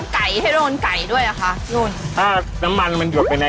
ชำใช่มันจะนุ่มกว่า